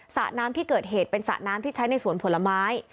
สระน้ำที่เกิดเหตุเป็นสระน้ำที่ใช้ในสวนผลไม้